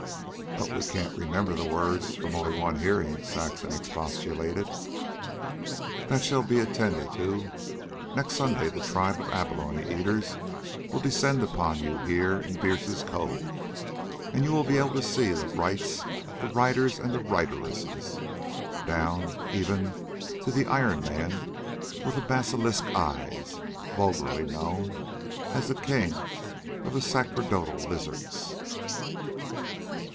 "But we can't remember the words from only one hearing," Saxon expostulated. "That shall be attended to. Next Sunday the Tribe of Abalone Eaters will descend upon you here in Bierce's Cove, and you will be able to see the rites, the writers and writeresses, down even to the Iron Man with the basilisk eyes, vulgarly known as the King of the Sacerdotal Lizards."